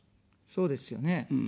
そうですよね。